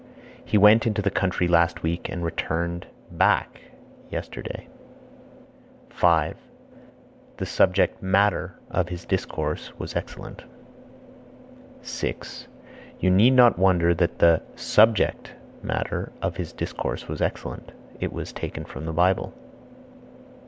He went into the country last week and returned (back) yesterday. 5. The subject (matter) of his discourse was excellent. 6. You need not wonder that the (subject) matter of his discourse was excellent; it was taken from the Bible.